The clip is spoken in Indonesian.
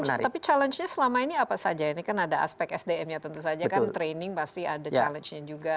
nah challenge tapi challengenya selama ini apa saja ini kan ada aspek sdm nya tentu saja kan training pasti ada challengenya juga